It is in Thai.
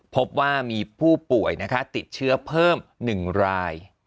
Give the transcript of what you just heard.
พบว่ามีผู้ป่วยติดเชื้อเพิ่ม๑ราย